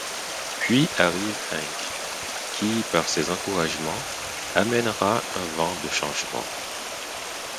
Puis arrive Hank, qui par ses encouragements amènera un vent de changement.